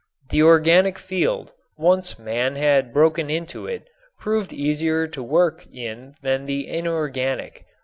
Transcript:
The organic field, once man had broken into it, proved easier to work in than the inorganic.